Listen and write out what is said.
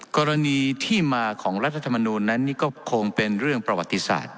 กรณีที่มาของรัฐธรรมนูลนั้นนี่ก็คงเป็นเรื่องประวัติศาสตร์